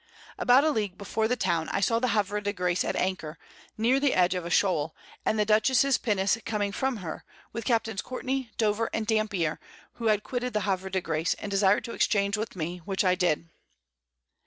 About a League before the Town I saw the Havre de Grace at Anchor, near the Edge of a Shoal, and the Dutchess's Pinnace coming from her, with Captains Courtney, Dover, and Dampier, who had quitted the Havre de Grace, and desired to exchange with me, which I did.